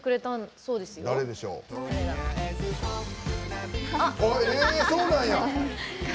そうなんや！